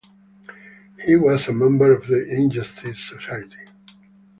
He was a member of the Injustice Society.